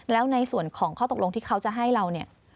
แล้วในส่วนของข้อตกลงที่เขาจะให้เราเนี่ย